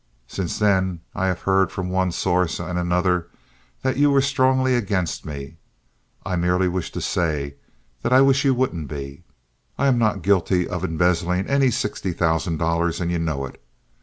Since then I have heard from one source and another that you were strongly against me, and I merely wish to say that I wish you wouldn't be. I am not guilty of embezzling any sixty thousand dollars, and you know it.